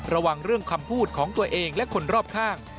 ระวังเรื่องคำพูดของตัวเองและคนรอบข้าง